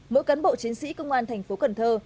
mỗi cán bộ chiến sĩ công an thành phố cần thơ